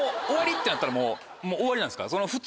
終わりってなったらもう終わりなんですか？